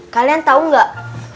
kalian tau gak